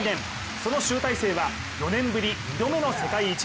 その集大成は４年ぶり２度目の世界一。